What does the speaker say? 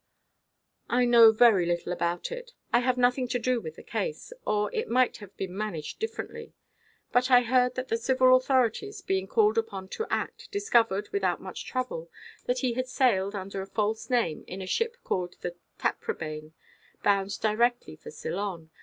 "I know very little about it. I have nothing to do with the case; or it might have been managed differently. But I heard that the civil authorities, being called upon to act, discovered, without much trouble, that he had sailed, under a false name, in a ship called the Taprobane, bound direct for Ceylon.